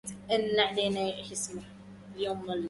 والميناء تابوتٌ